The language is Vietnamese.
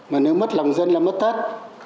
mà nếu mất lòng dân là mất tất